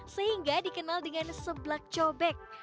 sehingga dikenal dengan seblak cobek